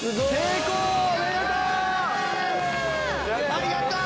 ありがとう！